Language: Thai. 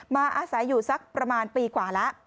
อาศัยอยู่สักประมาณปีกว่าแล้ว